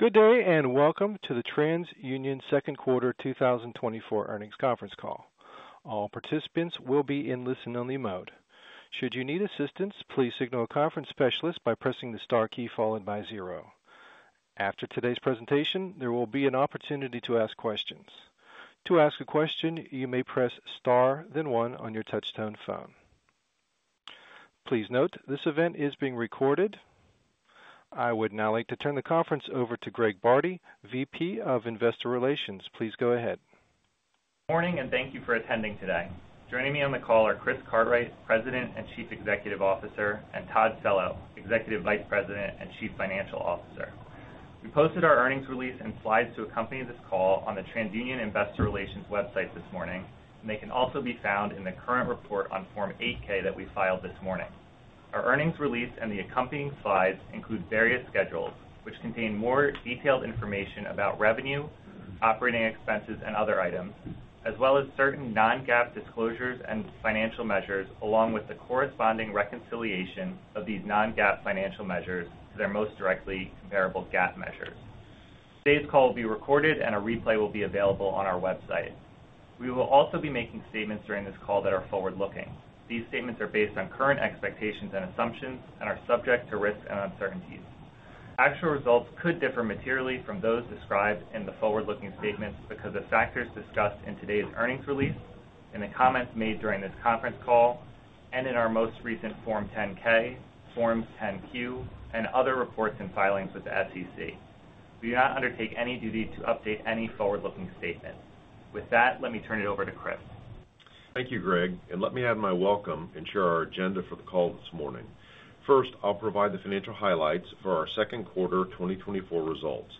Good day and welcome to the TransUnion Second Quarter 2024 earnings conference call. All participants will be in listen-only mode. Should you need assistance, please signal a conference specialist by pressing the star key followed by zero. After today's presentation, there will be an opportunity to ask questions. To ask a question, you may press star, then one on your touch-tone phone. Please note this event is being recorded. I would now like to turn the conference over to Greg Bardi, VP of Investor Relations. Please go ahead. Good morning and thank you for attending today. Joining me on the call are Chris Cartwright, President and Chief Executive Officer, and Todd Cello, Executive Vice President and Chief Financial Officer. We posted our earnings release and slides to accompany this call on the TransUnion Investor Relations website this morning, and they can also be found in the current report on Form 8-K that we filed this morning. Our earnings release and the accompanying slides include various schedules which contain more detailed information about revenue, operating expenses, and other items, as well as certain non-GAAP disclosures and financial measures, along with the corresponding reconciliation of these non-GAAP financial measures to their most directly comparable GAAP measures. Today's call will be recorded, and a replay will be available on our website. We will also be making statements during this call that are forward-looking. These statements are based on current expectations and assumptions and are subject to risks and uncertainties. Actual results could differ materially from those described in the forward-looking statements because of factors discussed in today's earnings release, in the comments made during this conference call, and in our most recent Form 10-K, Form 10-Q, and other reports and filings with the SEC. We do not undertake any duty to update any forward-looking statements. With that, let me turn it over to Chris. Thank you, Greg. Let me add my welcome and share our agenda for the call this morning. First, I'll provide the financial highlights for our second quarter 2024 results.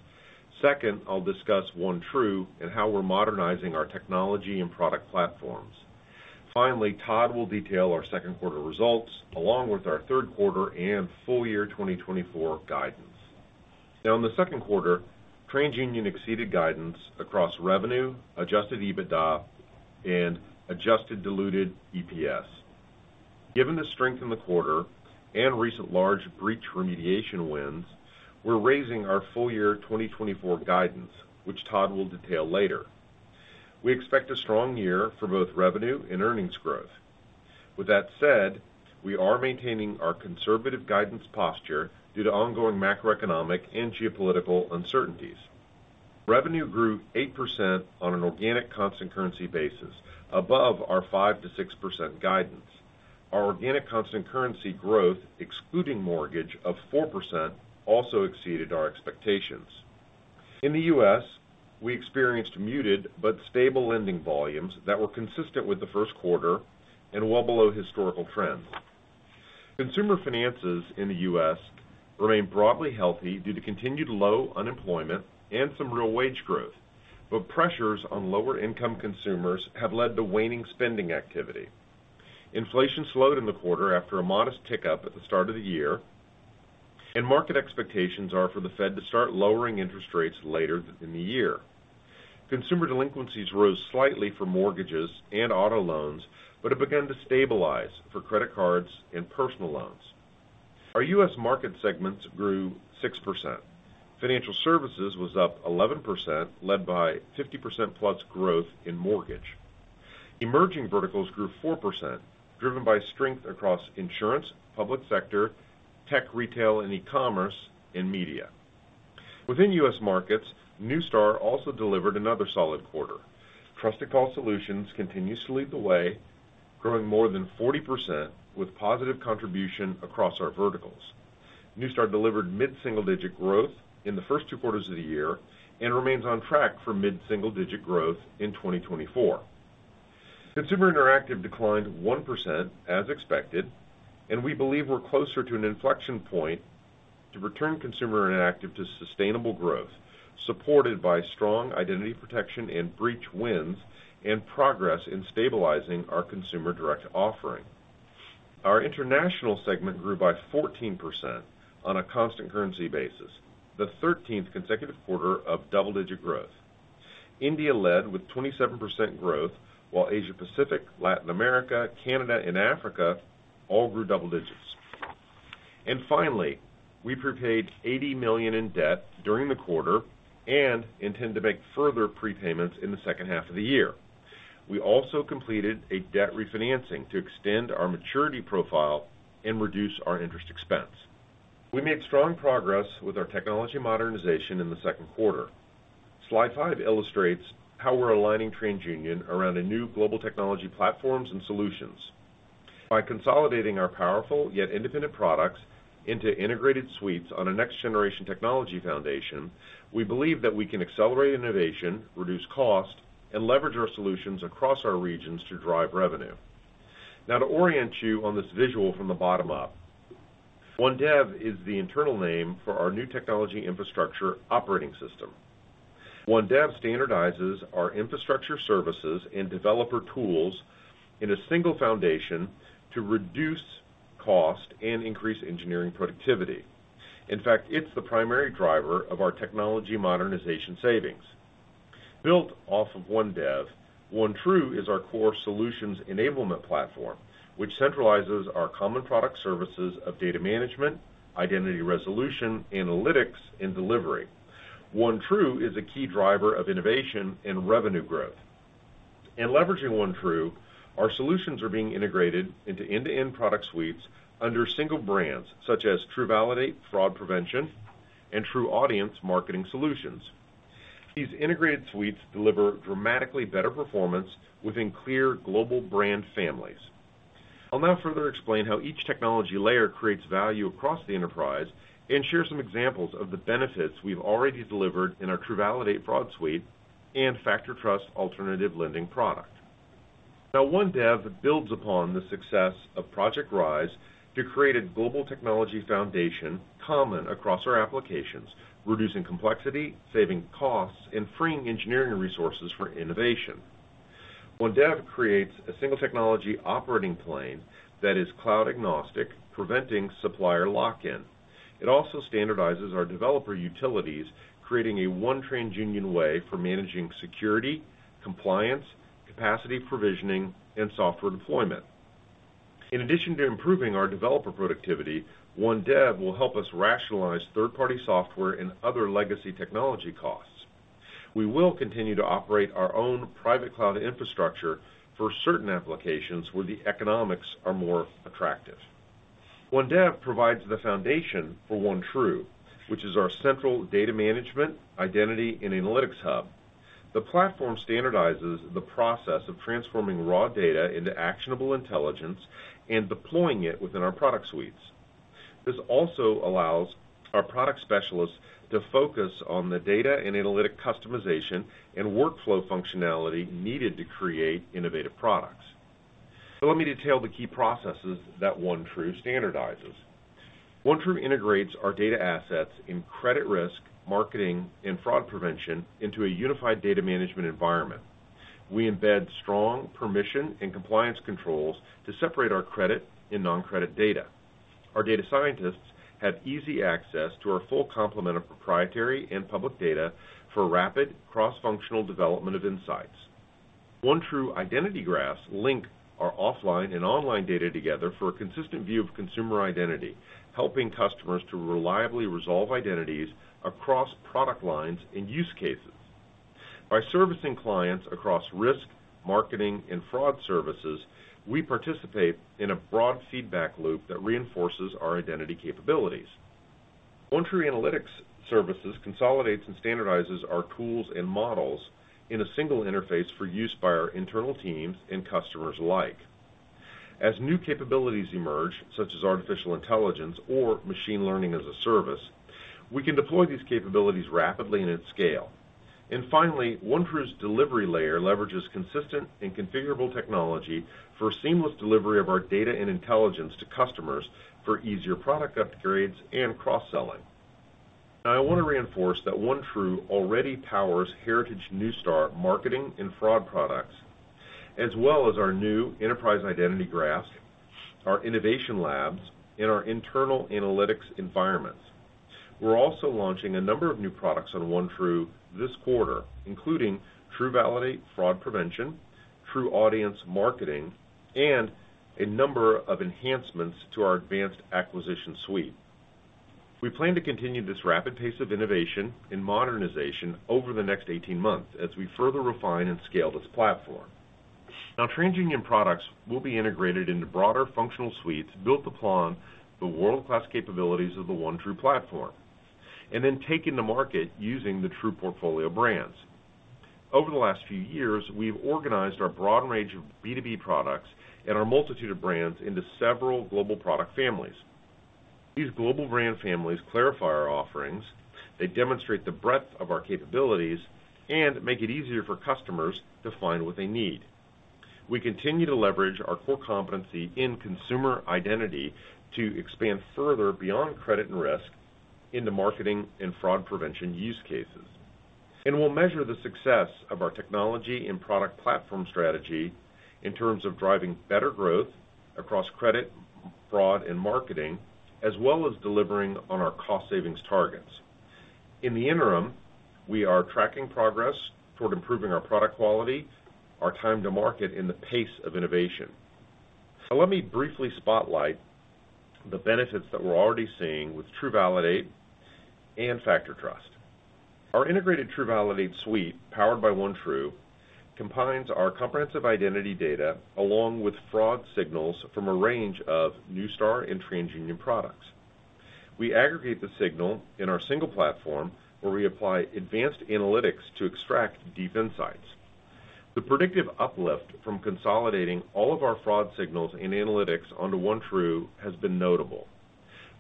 Second, I'll discuss OneTru and how we're modernizing our technology and product platforms. Finally, Todd will detail our second quarter results along with our third quarter and full year 2024 guidance. Now, in the second quarter, TransUnion exceeded guidance across revenue, Adjusted EBITDA, and Adjusted Diluted EPS. Given the strength in the quarter and recent large breach remediation wins, we're raising our full year 2024 guidance, which Todd will detail later. We expect a strong year for both revenue and earnings growth. With that said, we are maintaining our conservative guidance posture due to ongoing macroeconomic and geopolitical uncertainties. Revenue grew 8% on an organic constant currency basis, above our 5%-6% guidance. Our organic constant currency growth, excluding mortgage, of 4% also exceeded our expectations. In the U.S., we experienced muted but stable lending volumes that were consistent with the first quarter and well below historical trends. Consumer finances in the U.S. remain broadly healthy due to continued low unemployment and some real wage growth, but pressures on lower-income consumers have led to waning spending activity. Inflation slowed in the quarter after a modest tick up at the start of the year, and market expectations are for the Fed to start lowering interest rates later in the year. Consumer delinquencies rose slightly for mortgages and auto loans, but have begun to stabilize for credit cards and personal loans. Our U.S. Market segments grew 6%. Financial Services was up 11%, led by 50%+ growth in mortgage. Emerging Verticals grew 4%, driven by strength across insurance, public sector, tech, retail, and e-commerce, and media. Within U.S. Markets, Neustar also delivered another solid quarter. Trusted Call Solutions continues to lead the way, growing more than 40% with positive contribution across our verticals. Neustar delivered mid-single digit growth in the first two quarters of the year and remains on track for mid-single digit growth in 2024. Consumer Interactive declined 1% as expected, and we believe we're closer to an inflection point to return Consumer Interactive to sustainable growth, supported by strong identity protection and breach wins and progress in stabilizing our consumer direct offering. Our International segment grew by 14% on a constant currency basis, the 13th consecutive quarter of double-digit growth. India led with 27% growth, while Asia Pacific, Latin America, Canada, and Africa all grew double digits. Finally, we prepaid $80 million in debt during the quarter and intend to make further prepayments in the second half of the year. We also completed a debt refinancing to extend our maturity profile and reduce our interest expense. We made strong progress with our technology modernization in the second quarter. Slide 5 illustrates how we're aligning TransUnion around a new global technology platforms and solutions. By consolidating our powerful yet independent products into integrated suites on a next-generation technology foundation, we believe that we can accelerate innovation, reduce cost, and leverage our solutions across our regions to drive revenue. Now, to orient you on this visual from the bottom up, OneDev is the internal name for our new technology infrastructure operating system. OneDev standardizes our infrastructure services and developer tools in a single foundation to reduce cost and increase engineering productivity. In fact, it's the primary driver of our technology modernization savings. Built off of OneDev, OneTru is our core solutions enablement platform, which centralizes our common product services of data management, identity resolution, analytics, and delivery. OneTru is a key driver of innovation and revenue growth. In leveraging OneTru, our solutions are being integrated into end-to-end product suites under single brands, such as TruValidate Fraud Prevention and TruAudience Marketing Solutions. These integrated suites deliver dramatically better performance within clear global brand families. I'll now further explain how each technology layer creates value across the enterprise and share some examples of the benefits we've already delivered in our TruValidate Fraud Suite and FactorTrust Alternative Lending product. Now, OneDev builds upon the success of Project Rise to create a global technology foundation common across our applications, reducing complexity, saving costs, and freeing engineering resources for innovation. OneDev creates a single technology operating plane that is cloud-agnostic, preventing supplier lock-in. It also standardizes our developer utilities, creating a one TransUnion way for managing security, compliance, capacity provisioning, and software deployment. In addition to improving our developer productivity, OneDev will help us rationalize third-party software and other legacy technology costs. We will continue to operate our own private cloud infrastructure for certain applications where the economics are more attractive. OneDev provides the foundation for OneTru, which is our central data management, identity, and analytics hub. The platform standardizes the process of transforming raw data into actionable intelligence and deploying it within our product suites. This also allows our product specialists to focus on the data and analytic customization and workflow functionality needed to create innovative products. Let me detail the key processes that OneTru standardizes. OneTru integrates our data assets in credit risk, marketing, and fraud prevention into a unified data management environment. We embed strong permission and compliance controls to separate our credit and non-credit data. Our data scientists have easy access to our full complement of proprietary and public data for rapid cross-functional development of insights. OneTru identity graphs link our offline and online data together for a consistent view of consumer identity, helping customers to reliably resolve identities across product lines and use cases. By servicing clients across risk, marketing, and fraud services, we participate in a broad feedback loop that reinforces our identity capabilities. OneTru analytics services consolidates and standardizes our tools and models in a single interface for use by our internal teams and customers alike. As new capabilities emerge, such as artificial intelligence or machine learning as a service, we can deploy these capabilities rapidly and at scale. Finally, OneTru's delivery layer leverages consistent and configurable technology for seamless delivery of our data and intelligence to customers for easier product upgrades and cross-selling. Now, I want to reinforce that OneTru already powers heritage Neustar marketing and fraud products, as well as our new enterprise identity graphs, our innovation labs, and our internal analytics environments. We're also launching a number of new products on OneTru this quarter, including TruValidate Fraud Prevention, TruAudience Marketing, and a number of enhancements to our advanced acquisition suite. We plan to continue this rapid pace of innovation and modernization over the next 18 months as we further refine and scale this platform. Now, TransUnion products will be integrated into broader functional suites built upon the world-class capabilities of the OneTru platform and then taken to market using the Tru portfolio brands. Over the last few years, we've organized our broad range of B2B products and our multitude of brands into several global product families. These global brand families clarify our offerings, they demonstrate the breadth of our capabilities, and make it easier for customers to find what they need. We continue to leverage our core competency in consumer identity to expand further beyond credit and risk into marketing and fraud prevention use cases. We'll measure the success of our technology and product platform strategy in terms of driving better growth across credit, fraud, and marketing, as well as delivering on our cost savings targets. In the interim, we are tracking progress toward improving our product quality, our time to market, and the pace of innovation. Now, let me briefly spotlight the benefits that we're already seeing with TruValidate and FactorTrust. Our integrated TruValidate suite, powered by OneTru, combines our comprehensive identity data along with fraud signals from a range of Neustar and TransUnion products. We aggregate the signal in our single platform where we apply advanced analytics to extract deep insights. The predictive uplift from consolidating all of our fraud signals and analytics onto OneTru has been notable.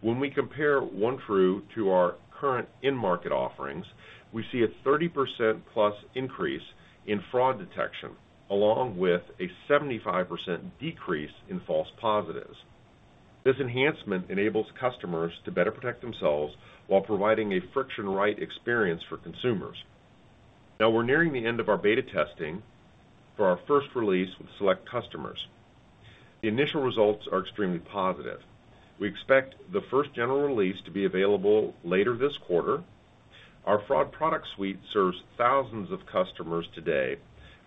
When we compare OneTru to our current in-market offerings, we see a 30%+ increase in fraud detection along with a 75% decrease in false positives. This enhancement enables customers to better protect themselves while providing a friction-free experience for consumers. Now, we're nearing the end of our beta testing for our first release with select customers. The initial results are extremely positive. We expect the first general release to be available later this quarter. Our fraud product suite serves thousands of customers today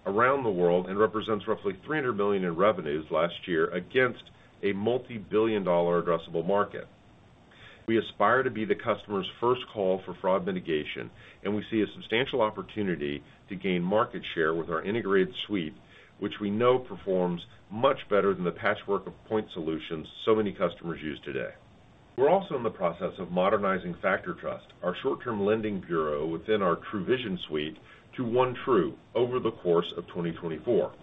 around the world and represents roughly $300 million in revenues last year against a multi-billion-dollar addressable market. We aspire to be the customer's first call for fraud mitigation, and we see a substantial opportunity to gain market share with our integrated suite, which we know performs much better than the patchwork of point solutions so many customers use today. We're also in the process of modernizing FactorTrust, our short-term lending bureau within our TruVision suite, to OneTru over the course of 2024.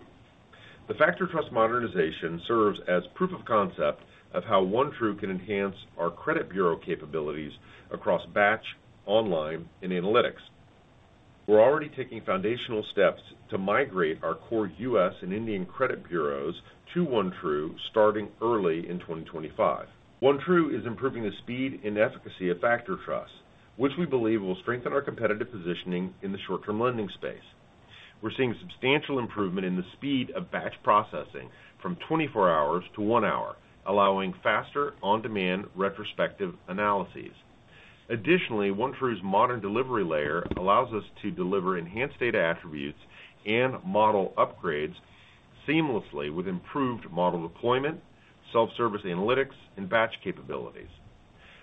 The FactorTrust modernization serves as proof of concept of how OneTru can enhance our credit bureau capabilities across batch, online, and analytics. We're already taking foundational steps to migrate our core U.S. and Indian credit bureaus to OneTru starting early in 2025. OneTru is improving the speed and efficacy of FactorTrust, which we believe will strengthen our competitive positioning in the short-term lending space. We're seeing substantial improvement in the speed of batch processing from 24 hours to 1 hour, allowing faster on-demand retrospective analyses. Additionally, OneTru's modern delivery layer allows us to deliver enhanced data attributes and model upgrades seamlessly with improved model deployment, self-service analytics, and batch capabilities.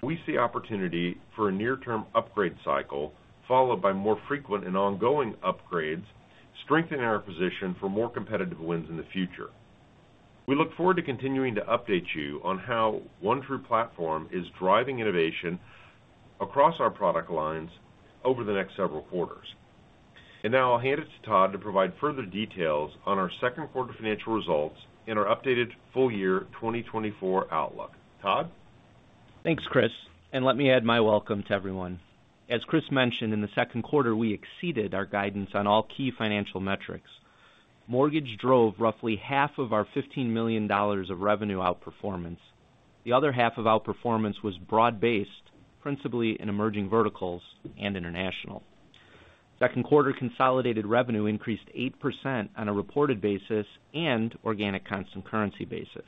We see opportunity for a near-term upgrade cycle followed by more frequent and ongoing upgrades, strengthening our position for more competitive wins in the future. We look forward to continuing to update you on how OneTru platform is driving innovation across our product lines over the next several quarters. And now I'll hand it to Todd to provide further details on our second quarter financial results and our updated full year 2024 outlook. Todd? Thanks, Chris. Let me add my welcome to everyone. As Chris mentioned, in the second quarter, we exceeded our guidance on all key financial metrics. Mortgage drove roughly half of our $15 million of revenue outperformance. The other half of outperformance was broad-based, principally in Emerging Verticals and International. Second quarter consolidated revenue increased 8% on a reported basis and organic constant currency basis.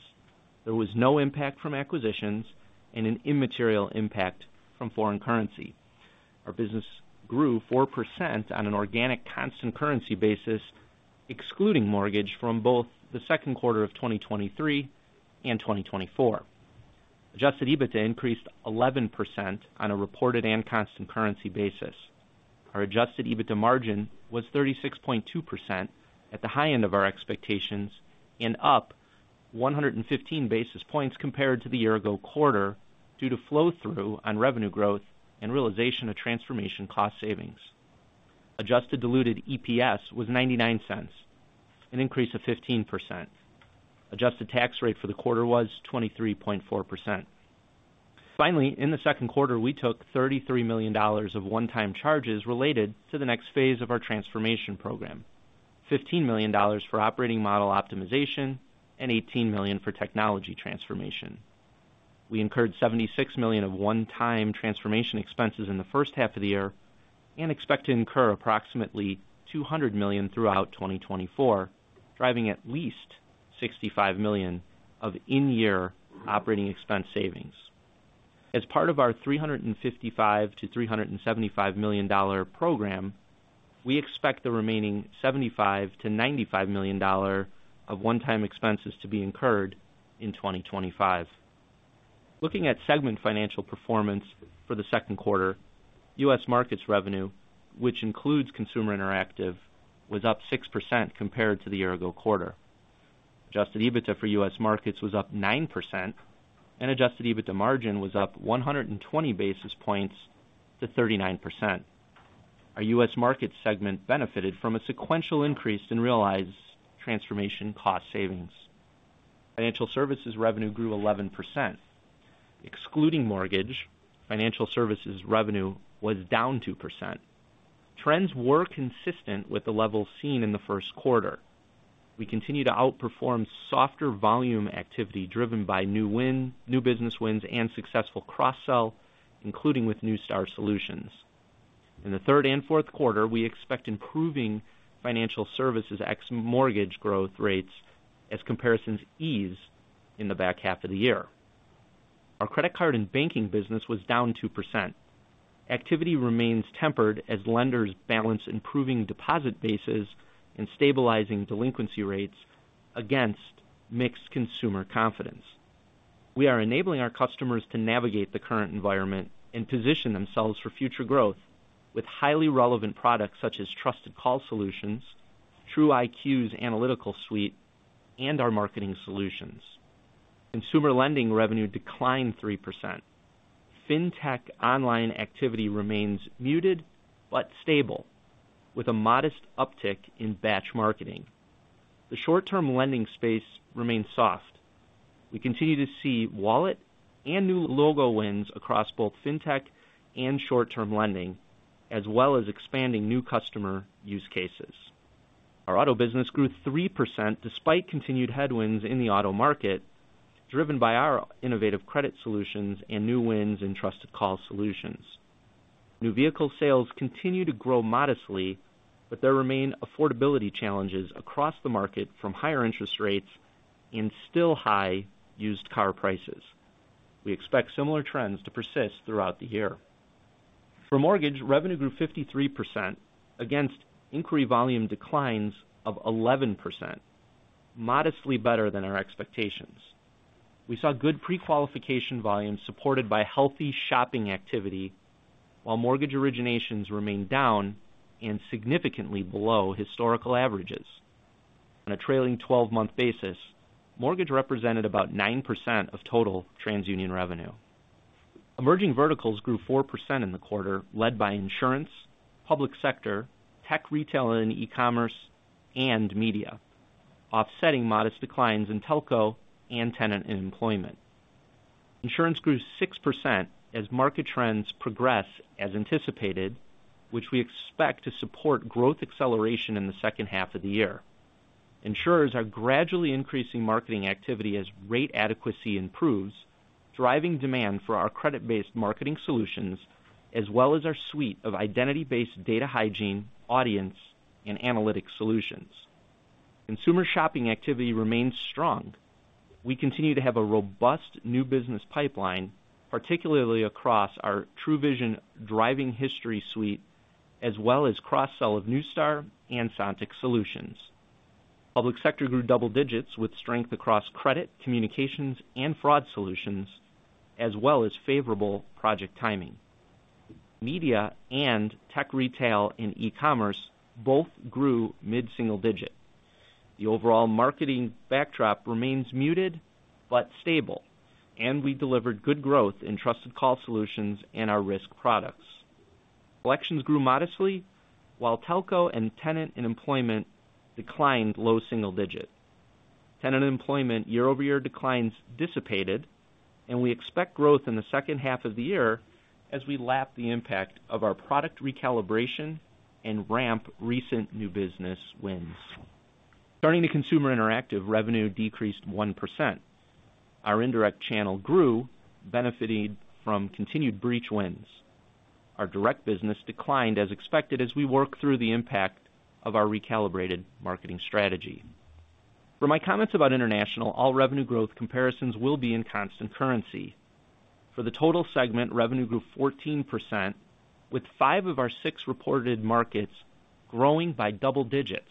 There was no impact from acquisitions and an immaterial impact from foreign currency. Our business grew 4% on an organic constant currency basis, excluding mortgage from both the second quarter of 2023 and 2024. Adjusted EBITDA increased 11% on a reported and constant currency basis. Our Adjusted EBITDA margin was 36.2% at the high end of our expectations and up 115 basis points compared to the year-ago quarter due to flow-through on revenue growth and realization of transformation cost savings. Adjusted Diluted EPS was $0.99, an increase of 15%. Adjusted tax rate for the quarter was 23.4%. Finally, in the second quarter, we took $33 million of one-time charges related to the next phase of our transformation program: $15 million for operating model optimization and $18 million for technology transformation. We incurred $76 million of one-time transformation expenses in the first half of the year and expect to incur approximately $200 million throughout 2024, driving at least $65 million of in-year operating expense savings. As part of our $355 million-$375 million program, we expect the remaining $75 million-$95 million of one-time expenses to be incurred in 2025. Looking at segment financial performance for the second quarter, U.S. Markets revenue, which includes Consumer Interactive, was up 6% compared to the year-ago quarter. Adjusted EBITDA for U.S. Markets was up 9%, and Adjusted EBITDA margin was up 120 basis points to 39%. Our U.S. Markets segment benefited from a sequential increase in realized transformation cost savings. Financial Services revenue grew 11%. Excluding mortgage, Financial Services revenue was down 2%. Trends were consistent with the level seen in the first quarter. We continue to outperform softer volume activity driven by new win, new business wins, and successful cross-sell, including with Neustar solutions. In the third and fourth quarter, we expect improving Financial Services ex-mortgage growth rates as comparisons ease in the back half of the year. Our credit card and banking business was down 2%. Activity remains tempered as lenders balance improving deposit bases and stabilizing delinquency rates against mixed consumer confidence. We are enabling our customers to navigate the current environment and position themselves for future growth with highly relevant products such as Trusted Call Solutions, TruIQ's analytical suite, and our marketing solutions. Consumer lending revenue declined 3%. Fintech online activity remains muted but stable, with a modest uptick in batch marketing. The short-term lending space remains soft. We continue to see wallet and new logo wins across both fintech and short-term lending, as well as expanding new customer use cases. Our Auto business grew 3% despite continued headwinds in the auto market, driven by our innovative credit solutions and new wins in Trusted Call Solutions. New vehicle sales continue to grow modestly, but there remain affordability challenges across the market from higher interest rates and still high used car prices. We expect similar trends to persist throughout the year. For Mortgage, revenue grew 53% against inquiry volume declines of 11%, modestly better than our expectations. We saw good prequalification volume supported by healthy shopping activity, while Mortgage originations remained down and significantly below historical averages. On a trailing 12-month basis, Mortgage represented about 9% of total TransUnion revenue. Emerging Verticals grew 4% in the quarter, led by Insurance, public sector, tech retail and e-commerce, and media, offsetting modest declines in telco and tenant employment. Insurance grew 6% as market trends progress as anticipated, which we expect to support growth acceleration in the second half of the year. Insurers are gradually increasing marketing activity as rate adequacy improves, driving demand for our credit-based marketing solutions, as well as our suite of identity-based data hygiene, audience, and analytic solutions. Consumer shopping activity remains strong. We continue to have a robust new business pipeline, particularly across our TruVision driving history suite, as well as cross-sell of Neustar and Sontiq solutions. Public sector grew double digits with strength across credit, communications, and fraud solutions, as well as favorable project timing. Media and tech retail and e-commerce both grew mid-single digit. The overall marketing backdrop remains muted but stable, and we delivered good growth in Trusted Call Solutions and our risk products. Elections grew modestly, while telco and tenant employment declined low single digit. Tenant employment year-over-year declines dissipated, and we expect growth in the second half of the year as we lap the impact of our product recalibration and ramp recent new business wins. Turning to Consumer Interactive revenue decreased 1%. Our Indirect Channel grew, benefiting from continued breach wins. Our direct business declined as expected as we work through the impact of our recalibrated marketing strategy. For my comments about International, all revenue growth comparisons will be in constant currency. For the total segment, revenue grew 14%, with five of our six reported markets growing by double digits.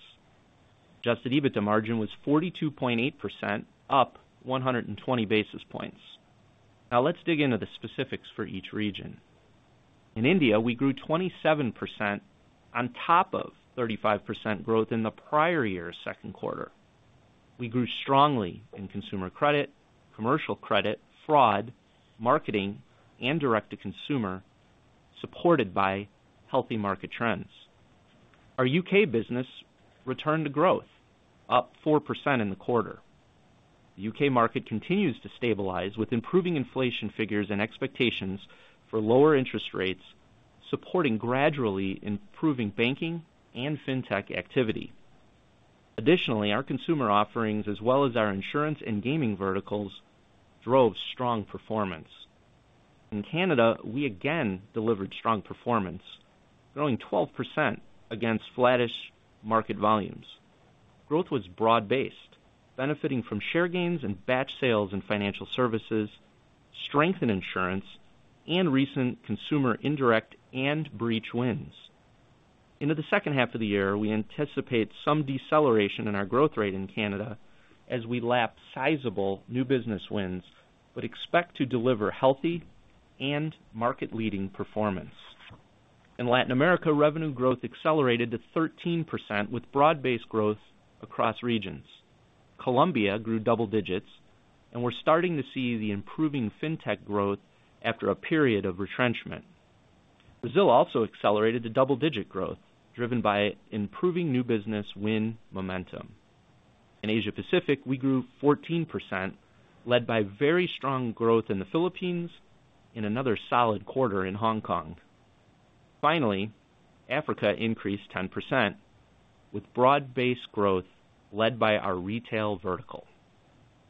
Adjusted EBITDA margin was 42.8%, up 120 basis points. Now, let's dig into the specifics for each region. In India, we grew 27% on top of 35% growth in the prior year's second quarter. We grew strongly in consumer credit, commercial credit, fraud, marketing, and direct-to-consumer, supported by healthy market trends. Our U.K. business returned to growth, up 4% in the quarter. The U.K. market continues to stabilize with improving inflation figures and expectations for lower interest rates, supporting gradually improving banking and fintech activity. Additionally, our consumer offerings, as well as our insurance and gaming verticals, drove strong performance. In Canada, we again delivered strong performance, growing 12% against flattish market volumes. Growth was broad-based, benefiting from share gains and batch sales in Financial Services, strength in insurance, and recent consumer indirect and breach wins. Into the second half of the year, we anticipate some deceleration in our growth rate in Canada as we lap sizable new business wins, but expect to deliver healthy and market-leading performance. In Latin America, revenue growth accelerated to 13% with broad-based growth across regions. Colombia grew double digits, and we're starting to see the improving fintech growth after a period of retrenchment. Brazil also accelerated to double-digit growth, driven by improving new business win momentum. In Asia-Pacific, we grew 14%, led by very strong growth in the Philippines and another solid quarter in Hong Kong. Finally, Africa increased 10% with broad-based growth, led by our retail vertical.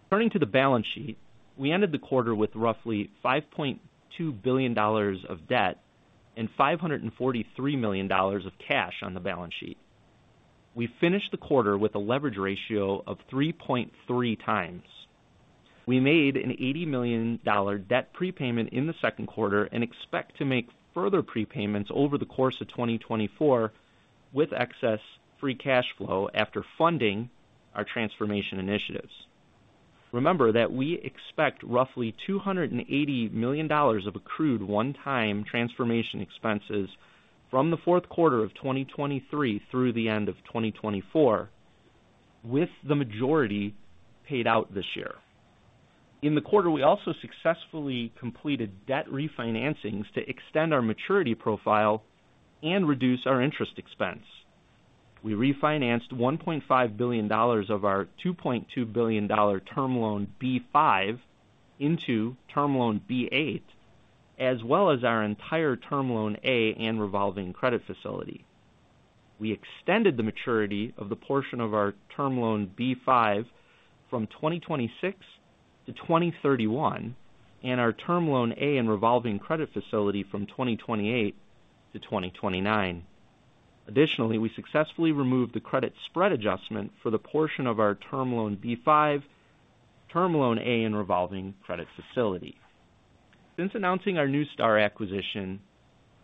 Turning to the balance sheet, we ended the quarter with roughly $5.2 billion of debt and $543 million of cash on the balance sheet. We finished the quarter with a leverage ratio of 3.3x. We made an $80 million debt prepayment in the second quarter and expect to make further prepayments over the course of 2024 with excess free cash flow after funding our transformation initiatives. Remember that we expect roughly $280 million of accrued one-time transformation expenses from the fourth quarter of 2023 through the end of 2024, with the majority paid out this year. In the quarter, we also successfully completed debt refinancings to extend our maturity profile and reduce our interest expense. We refinanced $1.5 billion of our $2.2 billion Term Loan B-5 into Term Loan B-8, as well as our entire Term Loan A and revolving credit facility. We extended the maturity of the portion of our Term Loan B-5 from 2026 to 2031 and our Term Loan A and revolving credit facility from 2028 to 2029. Additionally, we successfully removed the credit spread adjustment for the portion of our Term Loan B-5, Term Loan A, and revolving credit facility. Since announcing our Neustar acquisition,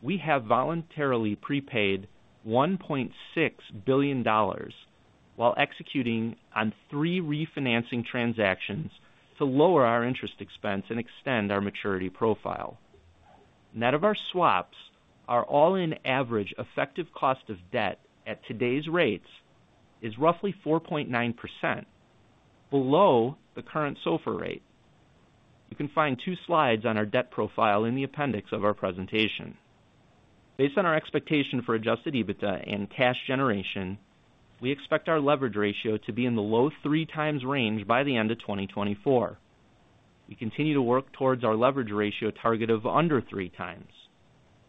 we have voluntarily prepaid $1.6 billion while executing on three refinancing transactions to lower our interest expense and extend our maturity profile. Net of our swaps, our all-in average effective cost of debt at today's rates is roughly 4.9%, below the current SOFR rate. You can find two slides on our debt profile in the appendix of our presentation. Based on our expectation for Adjusted EBITDA and cash generation, we expect our leverage ratio to be in the low 3x range by the end of 2024. We continue to work towards our leverage ratio target of under 3x.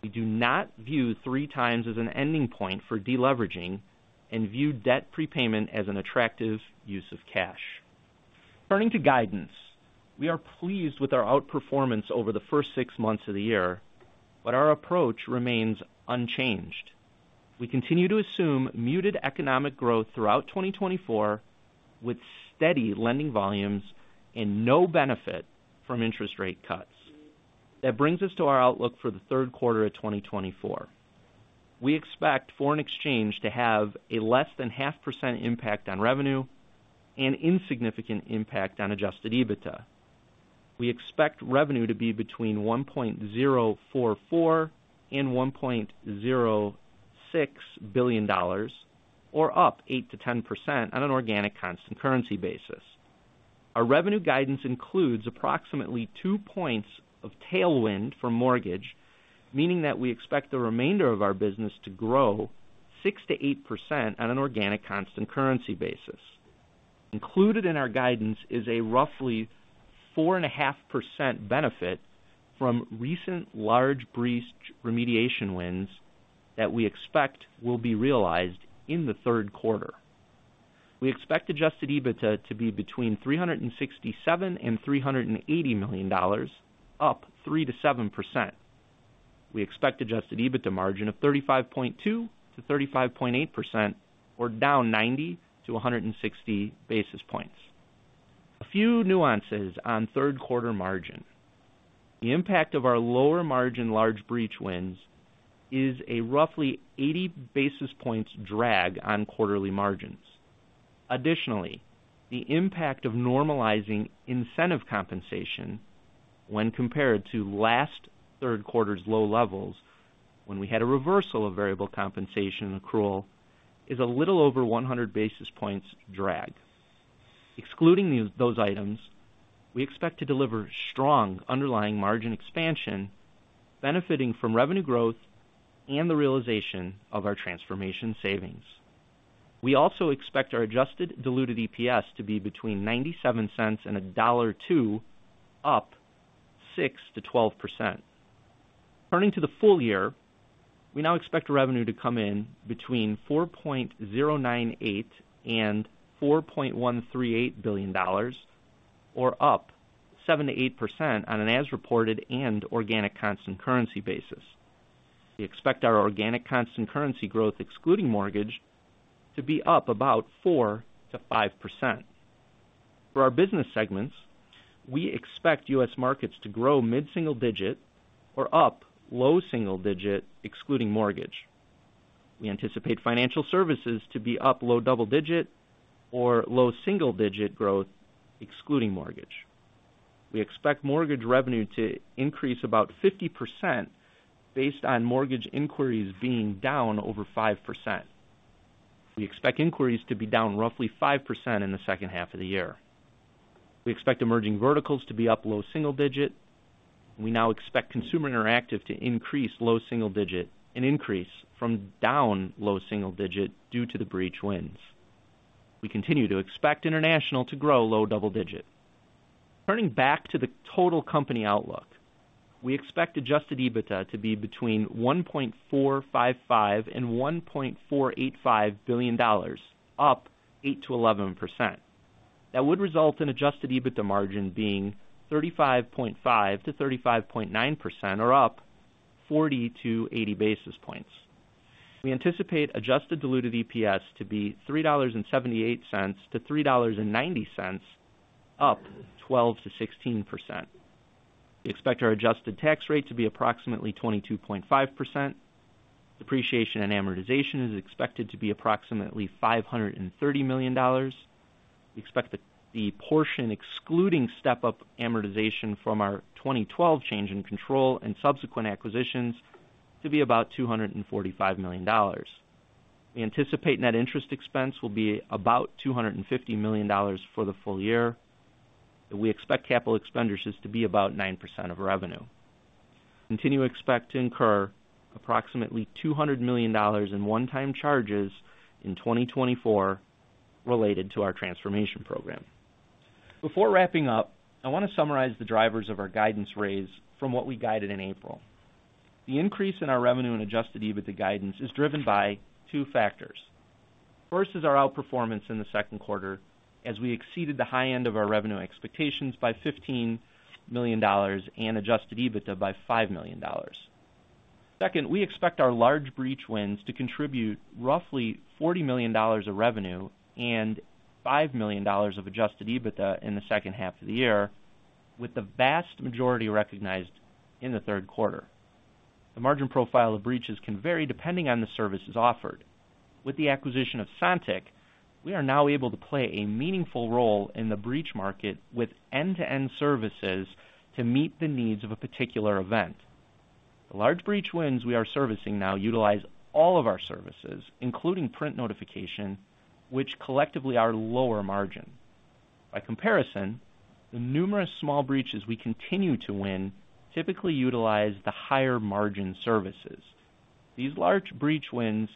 We do not view 3x as an ending point for deleveraging and view debt prepayment as an attractive use of cash. Turning to guidance, we are pleased with our outperformance over the first six months of the year, but our approach remains unchanged. We continue to assume muted economic growth throughout 2024 with steady lending volumes and no benefit from interest rate cuts. That brings us to our outlook for the third quarter of 2024. We expect foreign exchange to have a less than 0.5% impact on revenue and insignificant impact on Adjusted EBITDA. We expect revenue to be between $1.044 billion and $1.06 billion, or up 8%-10% on an organic constant currency basis. Our revenue guidance includes approximately 2 points of tailwind for mortgage, meaning that we expect the remainder of our business to grow 6%-8% on an organic constant currency basis. Included in our guidance is a roughly 4.5% benefit from recent large breach remediation wins that we expect will be realized in the third quarter. We expect Adjusted EBITDA to be between $367 million-$380 million, up 3%-7%. We expect Adjusted EBITDA margin of 35.2%-35.8%, or down 90-160 basis points. A few nuances on third quarter margin. The impact of our lower margin large breach wins is a roughly 80 basis points drag on quarterly margins. Additionally, the impact of normalizing incentive compensation when compared to last third quarter's low levels when we had a reversal of variable compensation accrual is a little over 100 basis points drag. Excluding those items, we expect to deliver strong underlying margin expansion, benefiting from revenue growth and the realization of our transformation savings. We also expect our Adjusted Diluted EPS to be between $0.97-$1.02, up 6%-12%. Turning to the full year, we now expect revenue to come in between $4.098 billion-$4.138 billion, or up 7%-8% on an as-reported and organic constant currency basis. We expect our organic constant currency growth, excluding mortgage, to be up about 4%-5%. For our business segments, we expect U.S. Markets to grow mid-single digit or up low single digit, excluding mortgage. We anticipate Financial Services to be up low double digit or low single digit growth, excluding mortgage. We expect Mortgage revenue to increase about 50% based on mortgage inquiries being down over 5%. We expect inquiries to be down roughly 5% in the second half of the year. We expect Emerging Verticals to be up low single digit. We now expect Consumer Interactive to increase low single digit and increase from down low single digit due to the breach wins. We continue to expect international to grow low double digit. Turning back to the total company outlook, we expect Adjusted EBITDA to be between $1.455 billion-$1.485 billion, up 8%-11%. That would result in Adjusted EBITDA margin being 35.5%-35.9%, or up 40 to 80 basis points. We anticipate Adjusted Diluted EPS to be $3.78-$3.90, up 12%-16%. We expect our adjusted tax rate to be approximately 22.5%. Depreciation and amortization is expected to be approximately $530 million. We expect the portion excluding step-up amortization from our 2012 change in control and subsequent acquisitions to be about $245 million. We anticipate net interest expense will be about $250 million for the full year. We expect capital expenditures to be about 9% of revenue. We continue to expect to incur approximately $200 million in one-time charges in 2024 related to our transformation program. Before wrapping up, I want to summarize the drivers of our guidance raise from what we guided in April. The increase in our revenue and Adjusted EBITDA guidance is driven by two factors. First is our outperformance in the second quarter, as we exceeded the high end of our revenue expectations by $15 million and Adjusted EBITDA by $5 million. Second, we expect our large breach wins to contribute roughly $40 million of revenue and $5 million of Adjusted EBITDA in the second half of the year, with the vast majority recognized in the third quarter. The margin profile of breaches can vary depending on the services offered. With the acquisition of Sontiq, we are now able to play a meaningful role in the breach market with end-to-end services to meet the needs of a particular event. The large breach wins we are servicing now utilize all of our services, including print notification, which collectively are lower margin. By comparison, the numerous small breaches we continue to win typically utilize the higher margin services. These large breach wins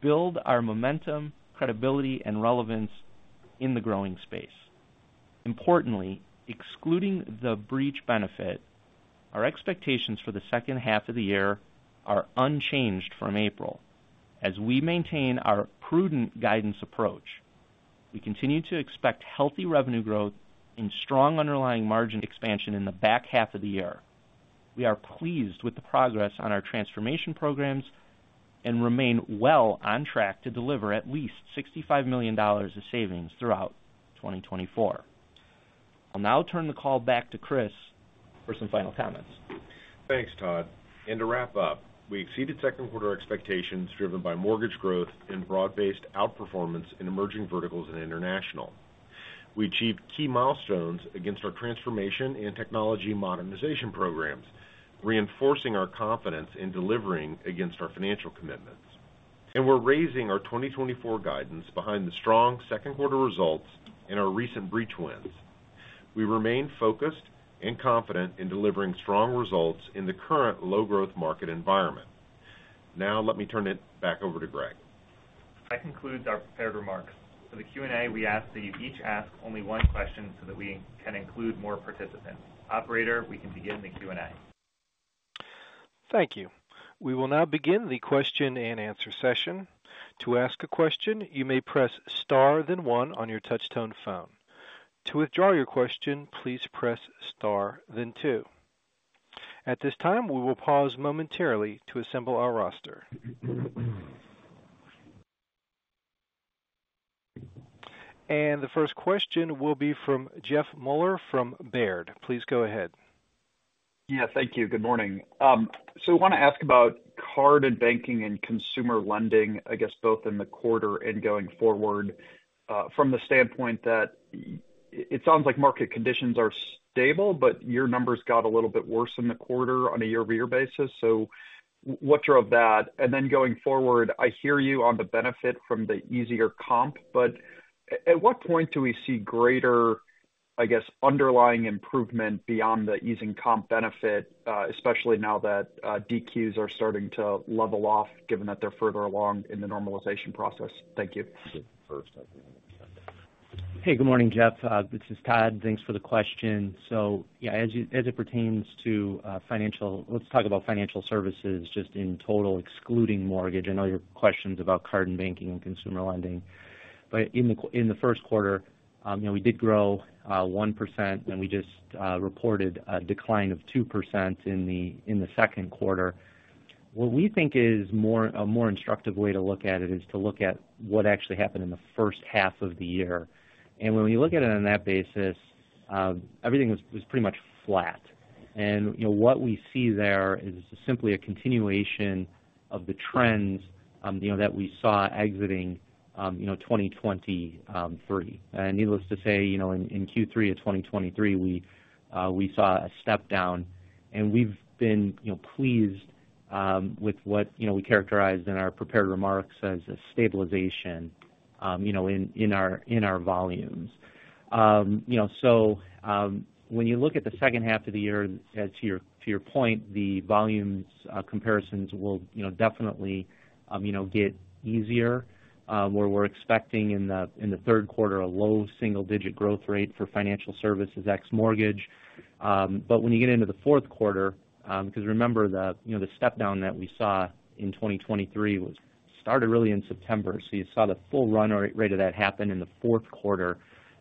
build our momentum, credibility, and relevance in the growing space. Importantly, excluding the breach benefit, our expectations for the second half of the year are unchanged from April. As we maintain our prudent guidance approach, we continue to expect healthy revenue growth and strong underlying margin expansion in the back half of the year. We are pleased with the progress on our transformation programs and remain well on track to deliver at least $65 million of savings throughout 2024. I'll now turn the call back to Chris for some final comments. Thanks, Todd. To wrap up, we exceeded second quarter expectations driven by mortgage growth and broad-based outperformance in Emerging Verticals and International. We achieved key milestones against our transformation and technology modernization programs, reinforcing our confidence in delivering against our financial commitments. We're raising our 2024 guidance behind the strong second quarter results and our recent breach wins. We remain focused and confident in delivering strong results in the current low-growth market environment. Now, let me turn it back over to Greg. That concludes our prepared remarks. For the Q&A, we ask that you each ask only one question so that we can include more participants. Operator, we can begin the Q&A. Thank you. We will now begin the question-and-answer session. To ask a question, you may press star then one on your touchtone phone. To withdraw your question, please press star then two. At this time, we will pause momentarily to assemble our roster. The first question will be from Jeff Meuler from Baird. Please go ahead. Yeah, thank you. Good morning. So I want to ask about card and banking and consumer lending, I guess, both in the quarter and going forward, from the standpoint that it sounds like market conditions are stable, but your numbers got a little bit worse in the quarter on a year-over-year basis. So what's your thought? And then going forward, I hear you on the benefit from the easier comp, but at what point do we see greater, I guess, underlying improvement beyond the easing comp benefit, especially now that DQs are starting to level off, given that they're further along in the normalization process? Thank you. Hey, good morning, Jeff. This is Todd, and thanks for the question. So yeah, as it pertains to financial, let's talk about Financial Services just in total, excluding mortgage. I know your questions about card and banking and consumer lending, but in the first quarter, we did grow 1%, and we just reported a decline of 2% in the second quarter. What we think is a more instructive way to look at it is to look at what actually happened in the first half of the year. When we look at it on that basis, everything was pretty much flat. What we see there is simply a continuation of the trends that we saw exiting 2023. Needless to say, in Q3 of 2023, we saw a step down. We've been pleased with what we characterized in our prepared remarks as a stabilization in our volumes. When you look at the second half of the year, to your point, the volumes comparisons will definitely get easier, where we're expecting in the third quarter a low single-digit growth rate for financial services ex-mortgage. But when you get into the fourth quarter, because remember the step down that we saw in 2023 started really in September, so you saw the full run rate of that happen in the fourth quarter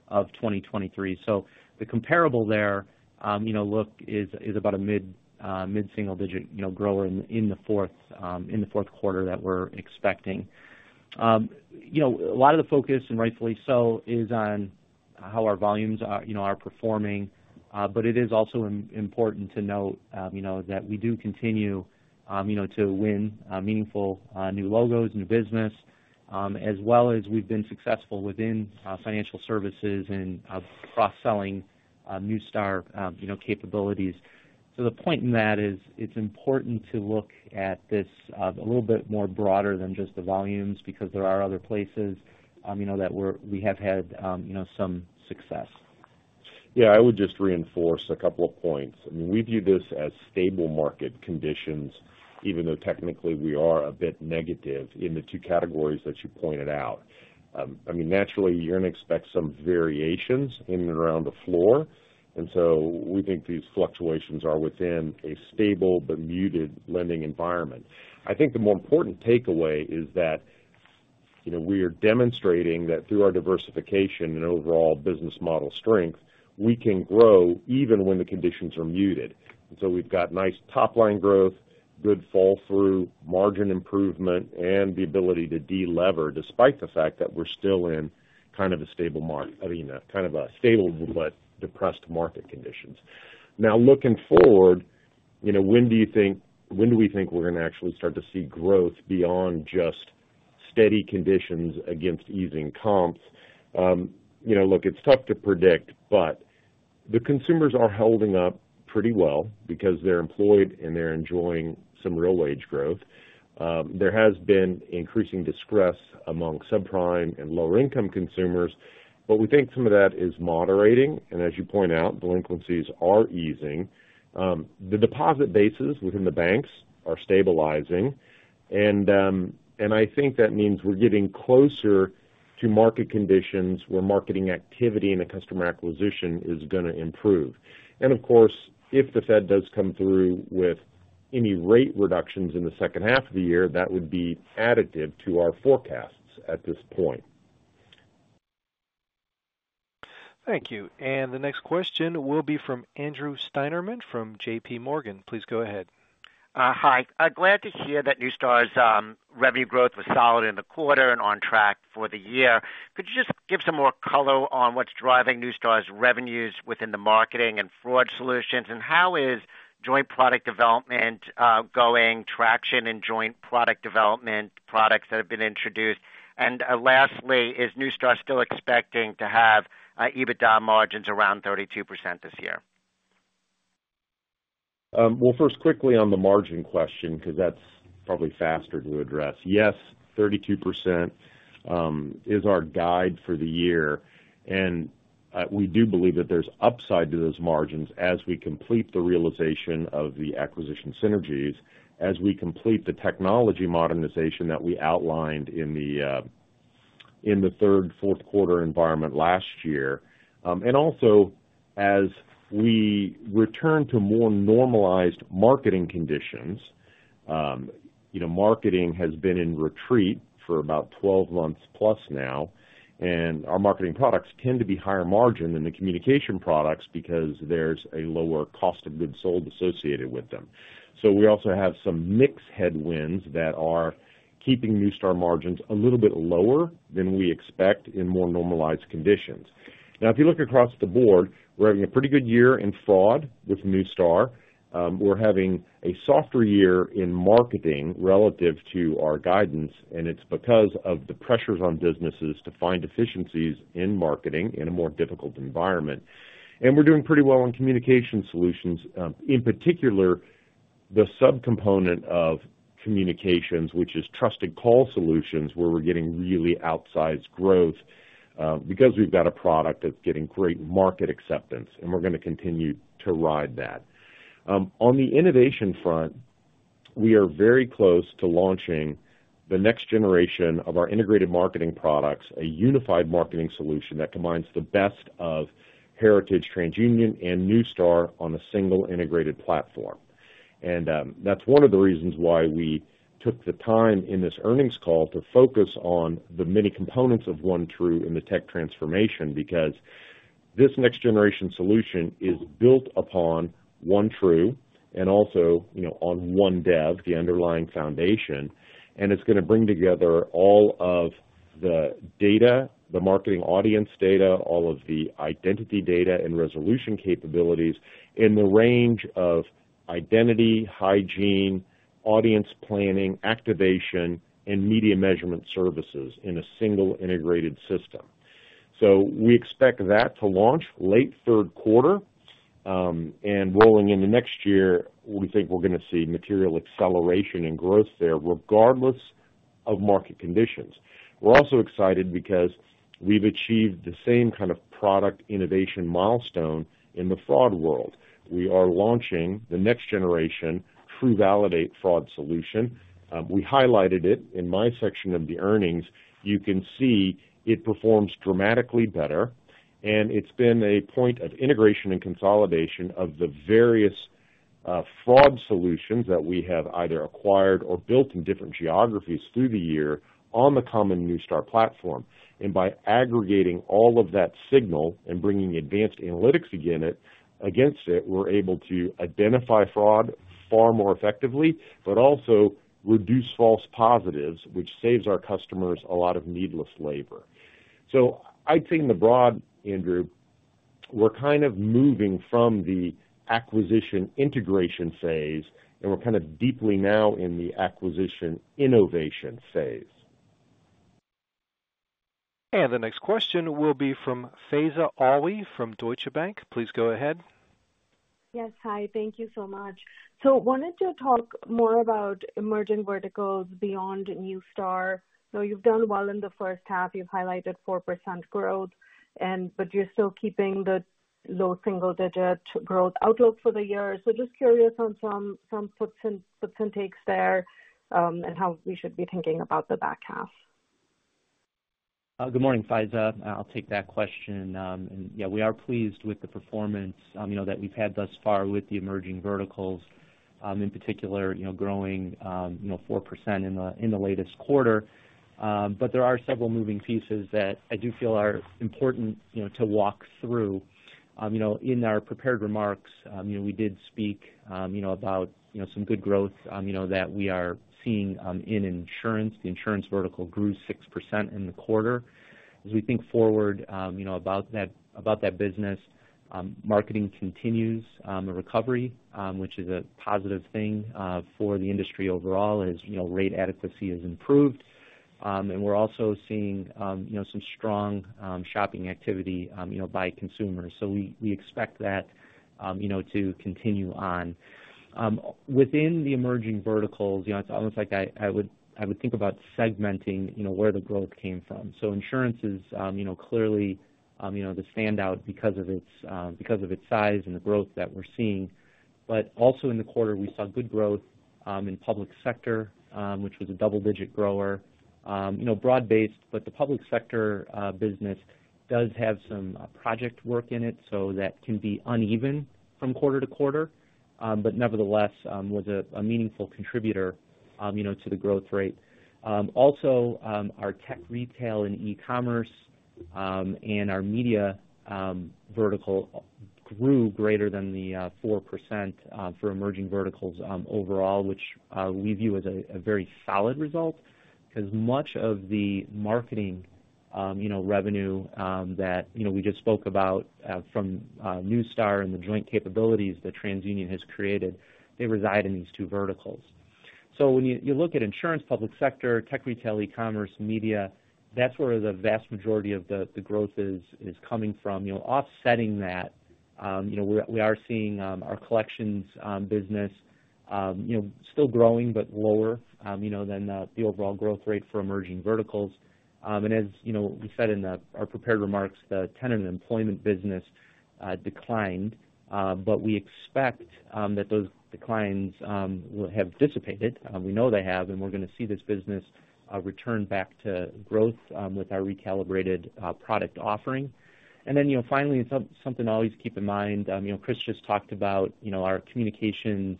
of 2023. So the comparable there, look, is about a mid-single-digit grower in the fourth quarter that we're expecting. A lot of the focus, and rightfully so, is on how our volumes are performing, but it is also important to note that we do continue to win meaningful new logos, new business, as well as we've been successful within Financial Services and cross-selling Neustar capabilities. So the point in that is it's important to look at this a little bit more broader than just the volumes because there are other places that we have had some success. Yeah, I would just reinforce a couple of points. I mean, we view this as stable market conditions, even though technically we are a bit negative in the two categories that you pointed out. I mean, naturally, you're going to expect some variations in and around the floor. And so we think these fluctuations are within a stable but muted lending environment. I think the more important takeaway is that we are demonstrating that through our diversification and overall business model strength, we can grow even when the conditions are muted. And so we've got nice top-line growth, good fall-through, margin improvement, and the ability to delever despite the fact that we're still in kind of a stable market, kind of a stable but depressed market conditions. Now, looking forward, when do you think we're going to actually start to see growth beyond just steady conditions against easing comps? Look, it's tough to predict, but the consumers are holding up pretty well because they're employed and they're enjoying some real wage growth. There has been increasing distress among subprime and lower-income consumers, but we think some of that is moderating. And as you point out, delinquencies are easing. The deposit bases within the banks are stabilizing. I think that means we're getting closer to market conditions where marketing activity and customer acquisition is going to improve. Of course, if the Fed does come through with any rate reductions in the second half of the year, that would be additive to our forecasts at this point. Thank you. The next question will be from Andrew Steinerman from JPMorgan. Please go ahead. Hi. Glad to hear that Neustar's revenue growth was solid in the quarter and on track for the year. Could you just give some more color on what's driving Neustar's revenues within the marketing and fraud solutions? How is joint product development going, traction in joint product development products that have been introduced? Lastly, is Neustar still expecting to have EBITDA margins around 32% this year? Well, first, quickly on the margin question, because that's probably faster to address. Yes, 32% is our guide for the year. We do believe that there's upside to those margins as we complete the realization of the acquisition synergies, as we complete the technology modernization that we outlined in the third- and fourth-quarter environment last year. Also, as we return to more normalized marketing conditions, marketing has been in retreat for about 12 months+ now. Our marketing products tend to be higher margin than the communication products because there's a lower cost of goods sold associated with them. So we also have some mix headwinds that are keeping Neustar margins a little bit lower than we expect in more normalized conditions. Now, if you look across the board, we're having a pretty good year in fraud with Neustar. We're having a softer year in marketing relative to our guidance, and it's because of the pressures on businesses to find efficiencies in marketing in a more difficult environment. We're doing pretty well on communication solutions, in particular the subcomponent of communications, which is Trusted Call Solutions, where we're getting really outsized growth because we've got a product that's getting great market acceptance, and we're going to continue to ride that. On the innovation front, we are very close to launching the next generation of our integrated marketing products, a unified marketing solution that combines the best of Heritage TransUnion and Neustar on a single integrated platform. That's one of the reasons why we took the time in this earnings call to focus on the many components of OneTru in the tech transformation, because this next generation solution is built upon OneTru and also on OneDev, the underlying foundation. It's going to bring together all of the data, the marketing audience data, all of the identity data and resolution capabilities in the range of identity, hygiene, audience planning, activation, and media measurement services in a single integrated system. We expect that to launch late third quarter. Rolling in the next year, we think we're going to see material acceleration and growth there, regardless of market conditions. We're also excited because we've achieved the same kind of product innovation milestone in the fraud world. We are launching the next generation TruValidate fraud solution. We highlighted it in my section of the earnings. You can see it performs dramatically better. And it's been a point of integration and consolidation of the various fraud solutions that we have either acquired or built in different geographies through the year on the common Neustar platform. And by aggregating all of that signal and bringing advanced analytics against it, we're able to identify fraud far more effectively, but also reduce false positives, which saves our customers a lot of needless labor. So I'd say in the broad, Andrew, we're kind of moving from the acquisition integration phase, and we're kind of deeply now in the acquisition innovation phase. And the next question will be from Faiza Alwy from Deutsche Bank. Please go ahead. Yes, hi. Thank you so much. So I wanted to talk more about Emerging Verticals beyond Neustar. So you've done well in the first half. You've highlighted 4% growth, but you're still keeping the low single-digit growth outlook for the year. So just curious on some puts and takes there and how we should be thinking about the back half. Good morning, Faiza. I'll take that question. And yeah, we are pleased with the performance that we've had thus far with the Emerging Verticals, in particular growing 4% in the latest quarter. But there are several moving pieces that I do feel are important to walk through. In our prepared remarks, we did speak about some good growth that we are seeing in insurance. The insurance vertical grew 6% in the quarter. As we think forward about that business, marketing continues a recovery, which is a positive thing for the industry overall, as rate adequacy has improved. And we're also seeing some strong shopping activity by consumers. So we expect that to continue on. Within the Emerging Verticals, it's almost like I would think about segmenting where the growth came from. So insurance is clearly the standout because of its size and the growth that we're seeing. But also in the quarter, we saw good growth in public sector, which was a double-digit grower. Broad-based, but the public sector business does have some project work in it, so that can be uneven from quarter to quarter, but nevertheless was a meaningful contributor to the growth rate. Also, our tech retail and e-commerce and our media vertical grew greater than the 4% for Emerging Verticals overall, which we view as a very solid result because much of the marketing revenue that we just spoke about from Neustar and the joint capabilities that TransUnion has created, they reside in these two verticals. So when you look at insurance, public sector, tech, retail, e-commerce, media, that's where the vast majority of the growth is coming from. Offsetting that, we are seeing our collections business still growing, but lower than the overall growth rate for Emerging Verticals. And as we said in our prepared remarks, the tenant and employment business declined, but we expect that those declines will have dissipated. We know they have, and we're going to see this business return back to growth with our recalibrated product offering. And then finally, something to always keep in mind, Chris just talked about our communications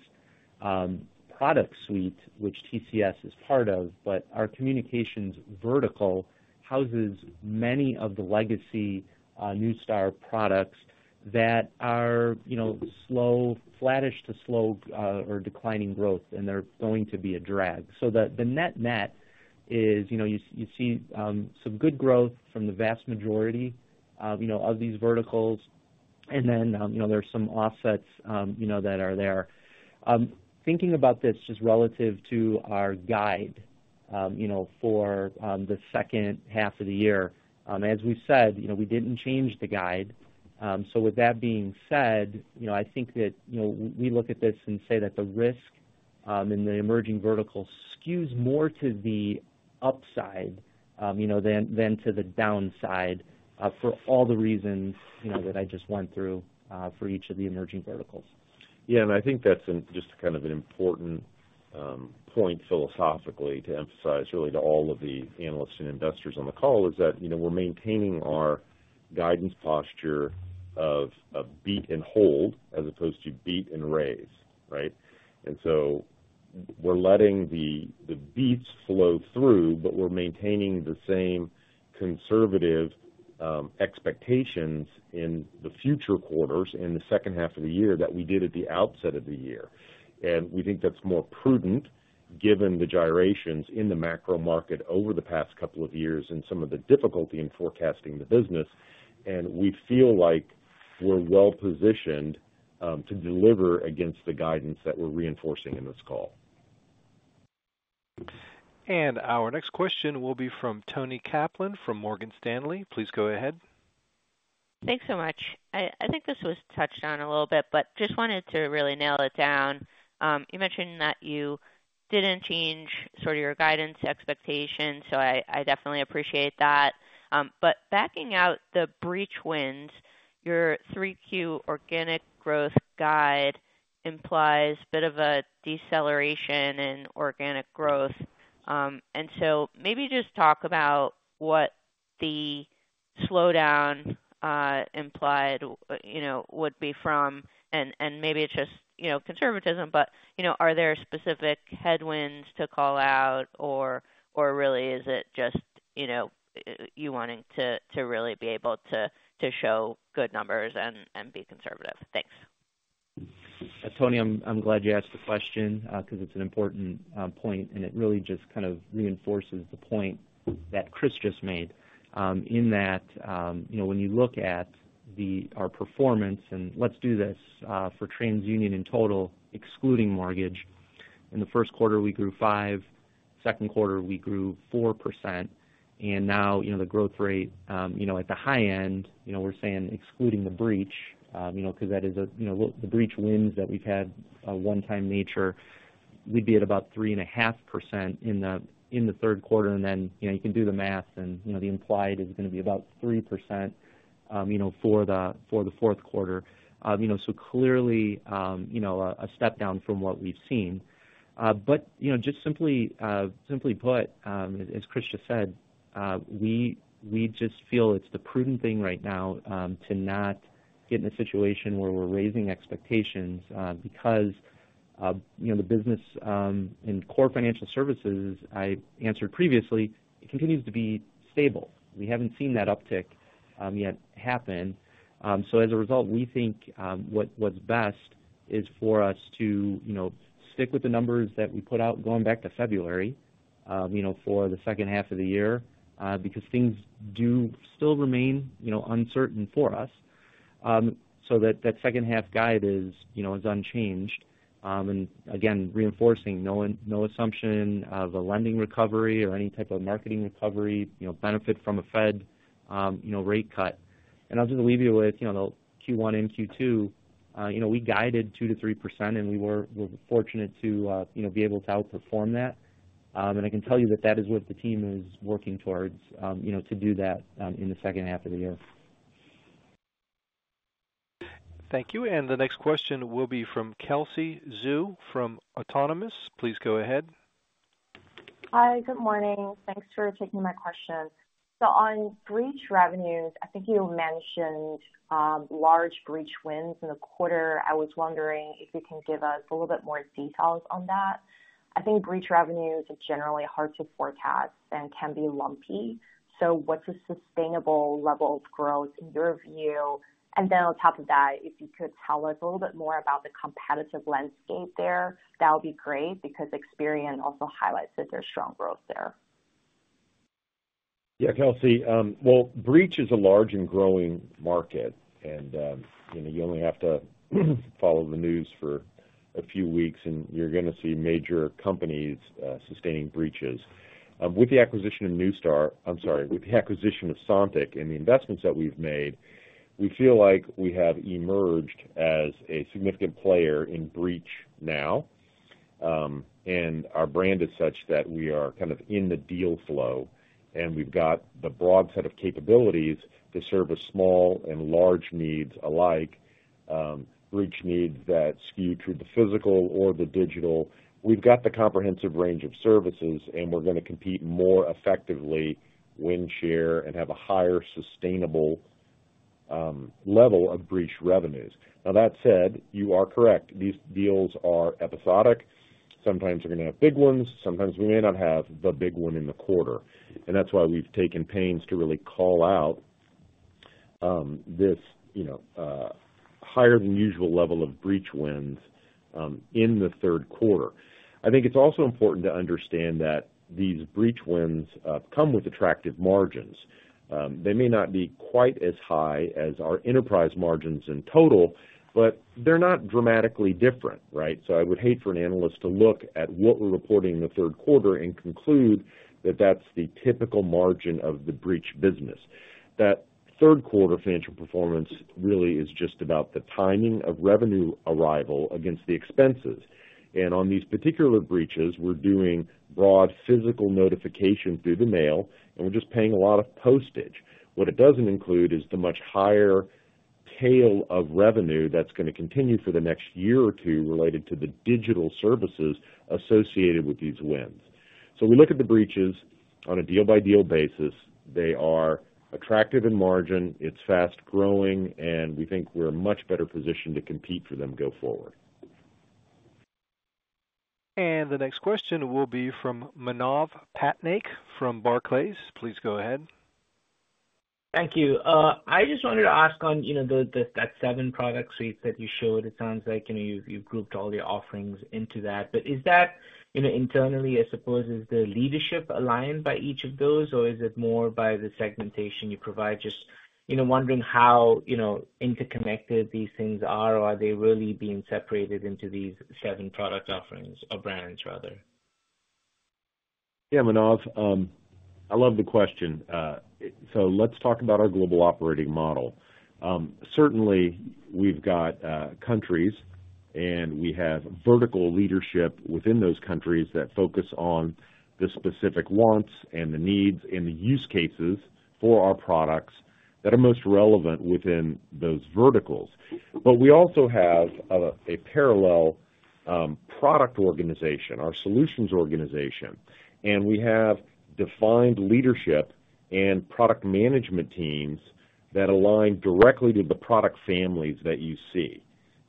product suite, which TCS is part of, but our communications vertical houses many of the legacy Neustar products that are slow, flattish to slow or declining growth, and they're going to be a drag. So the net-net is you see some good growth from the vast majority of these verticals, and then there's some offsets that are there. Thinking about this just relative to our guide for the second half of the year, as we said, we didn't change the guide. So with that being said, I think that we look at this and say that the risk in the Emerging Verticals skews more to the upside than to the downside for all the reasons that I just went through for each of the Emerging Verticals. Yeah, and I think that's just kind of an important point philosophically to emphasize really to all of the analysts and investors on the call is that we're maintaining our guidance posture of beat and hold as opposed to beat and raise, right? And so we're letting the beats flow through, but we're maintaining the same conservative expectations in the future quarters in the second half of the year that we did at the outset of the year. And we think that's more prudent given the gyrations in the macro market over the past couple of years and some of the difficulty in forecasting the business. And we feel like we're well positioned to deliver against the guidance that we're reinforcing in this call. And our next question will be from Toni Kaplan from Morgan Stanley. Please go ahead. Thanks so much. I think this was touched on a little bit, but just wanted to really nail it down. You mentioned that you didn't change sort of your guidance expectations, so I definitely appreciate that. But backing out the breach wins, your 3Q organic growth guide implies a bit of a deceleration in organic growth. And so maybe just talk about what the slowdown implied would be from, and maybe it's just conservatism, but are there specific headwinds to call out, or really is it just you wanting to really be able to show good numbers and be conservative? Thanks. Toni, I'm glad you asked the question because it's an important point, and it really just kind of reinforces the point that Chris just made in that when you look at our performance, and let's do this for TransUnion in total, excluding mortgage. In the first quarter, we grew 5%. Second quarter, we grew 4%. And now the growth rate at the high end, we're saying excluding the breach because that is the breach wins that we've had one-time nature. We'd be at about 3.5% in the third quarter. And then you can do the math, and the implied is going to be about 3% for the fourth quarter. So clearly a step down from what we've seen. But just simply put, as Chris just said, we just feel it's the prudent thing right now to not get in a situation where we're raising expectations because the business in core Financial Services, I answered previously, continues to be stable. We haven't seen that uptick yet happen. So as a result, we think what's best is for us to stick with the numbers that we put out going back to February for the second half of the year because things do still remain uncertain for us. So that second half guide is unchanged. And again, reinforcing no assumption of a lending recovery or any type of marketing recovery, benefit from a Fed rate cut. And I'll just leave you with Q1 and Q2. We guided 2%-3%, and we were fortunate to be able to outperform that. And I can tell you that that is what the team is working towards to do that in the second half of the year. Thank you. And the next question will be from Kelsey Zhu from Autonomous. Please go ahead. Hi, good morning. Thanks for taking my question. So on breach revenues, I think you mentioned large breach wins in the quarter. I was wondering if you can give us a little bit more details on that. I think breach revenues are generally hard to forecast and can be lumpy. So what's a sustainable level of growth in your view? And then on top of that, if you could tell us a little bit more about the competitive landscape there, that would be great because Experian also highlights that there's strong growth there. Yeah, Kelsey, well, breach is a large and growing market, and you only have to follow the news for a few weeks, and you're going to see major companies sustaining breaches. With the acquisition of Neustar, I'm sorry, with the acquisition of Sontiq and the investments that we've made, we feel like we have emerged as a significant player in breach now. And our brand is such that we are kind of in the deal flow, and we've got the broad set of capabilities to serve small and large needs alike, breach needs that skew to the physical or the digital. We've got the comprehensive range of services, and we're going to compete more effectively win share and have a higher sustainable level of breach revenues. Now, that said, you are correct. These deals are episodic. Sometimes we're going to have big ones. Sometimes we may not have the big one in the quarter. And that's why we've taken pains to really call out this higher than usual level of breach wins in the third quarter. I think it's also important to understand that these breach wins come with attractive margins. They may not be quite as high as our enterprise margins in total, but they're not dramatically different, right? So I would hate for an analyst to look at what we're reporting in the third quarter and conclude that that's the typical margin of the breach business. That third quarter financial performance really is just about the timing of revenue arrival against the expenses. And on these particular breaches, we're doing broad physical notification through the mail, and we're just paying a lot of postage. What it doesn't include is the much higher tail of revenue that's going to continue for the next year or two related to the digital services associated with these wins. So we look at the breaches on a deal-by-deal basis. They are attractive in margin. It's fast growing, and we think we're a much better position to compete for them go forward. And the next question will be from Manav Patnaik from Barclays. Please go ahead. Thank you. I just wanted to ask on that seven product suite that you showed. It sounds like you've grouped all the offerings into that. But is that internally, I suppose, is the leadership aligned by each of those, or is it more by the segmentation you provide? Just wondering how interconnected these things are, or are they really being separated into these seven product offerings or brands, rather? Yeah, Manav, I love the question. So let's talk about our global operating model. Certainly, we've got countries, and we have vertical leadership within those countries that focus on the specific wants and the needs and the use cases for our products that are most relevant within those verticals. But we also have a parallel product organization, our solutions organization. And we have defined leadership and product management teams that align directly to the product families that you see.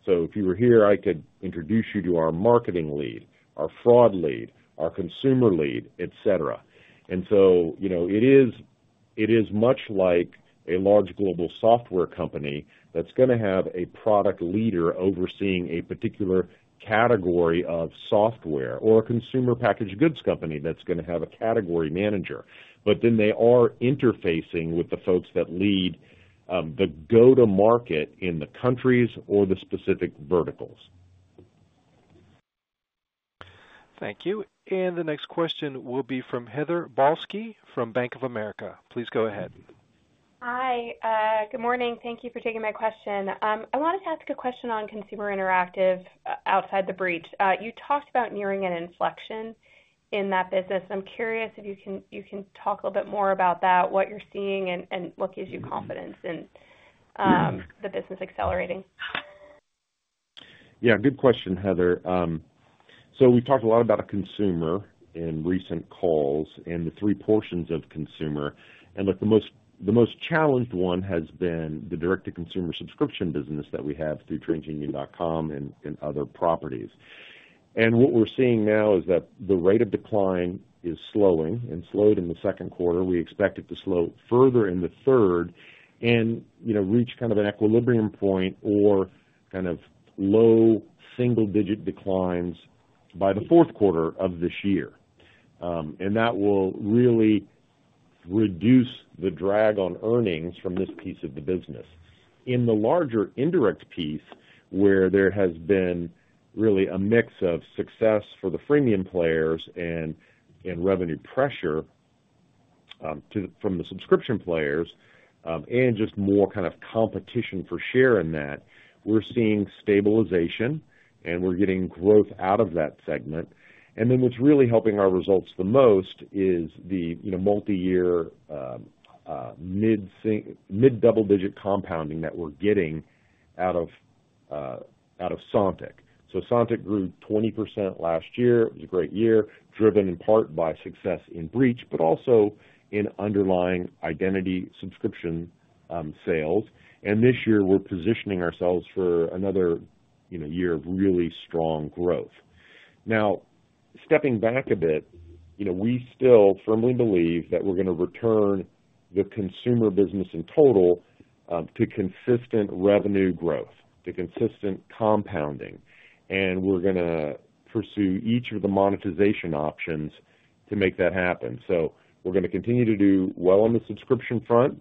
So if you were here, I could introduce you to our marketing lead, our fraud lead, our consumer lead, etc. It is much like a large global software company that's going to have a product leader overseeing a particular category of software or a consumer packaged goods company that's going to have a category manager. But then they are interfacing with the folks that lead the go-to-market in the countries or the specific verticals. Thank you. The next question will be from Heather Balsky from Bank of America. Please go ahead. Hi, good morning. Thank you for taking my question. I wanted to ask a question on Consumer Interactive outside the breach. You talked about nearing an inflection in that business. I'm curious if you can talk a little bit more about that, what you're seeing, and what gives you confidence in the business accelerating. Yeah, good question, Heather. So we've talked a lot about Consumer in recent calls and the three portions of Consumer. The most challenged one has been the direct-to-consumer subscription business that we have through TransUnion.com and other properties. What we're seeing now is that the rate of decline is slowing and slowed in the second quarter. We expect it to slow further in the third and reach kind of an equilibrium point or kind of low single-digit declines by the fourth quarter of this year. That will really reduce the drag on earnings from this piece of the business. In the larger indirect piece, where there has been really a mix of success for the freemium players and revenue pressure from the subscription players and just more kind of competition for share in that, we're seeing stabilization, and we're getting growth out of that segment. Then what's really helping our results the most is the multi-year mid-double-digit compounding that we're getting out of Sontiq. Sontiq grew 20% last year. It was a great year, driven in part by success in breach, but also in underlying identity subscription sales. This year, we're positioning ourselves for another year of really strong growth. Now, stepping back a bit, we still firmly believe that we're going to return the consumer business in total to consistent revenue growth, to consistent compounding. We're going to pursue each of the monetization options to make that happen. We're going to continue to do well on the subscription front.